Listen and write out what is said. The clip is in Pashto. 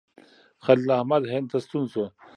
خلیل احمد هند ته ستون شو.